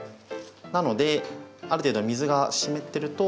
なのである程度水が湿ってると。